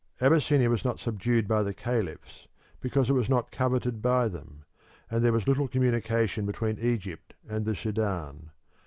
Abyssinia was not subdued by the caliphs because it was not coveted by them, and there was little communication between Egypt and the Sudan.